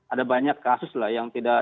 ada banyak kasus lah yang tidak